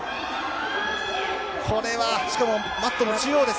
これはしかもマットの中央です